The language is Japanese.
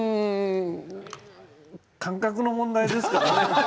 感覚の問題ですかね。